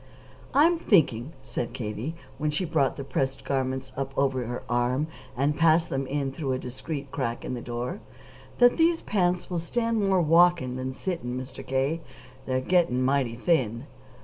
"I'm thinking," said Katie, when she brought the pressed garments up over her arm and passed them in through a discreet crack in the door, "that these pants will stand more walking than sitting, Mr. K. They're getting mighty thin."